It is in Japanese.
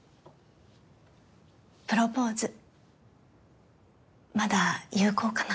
プロポーズまだ有効かな？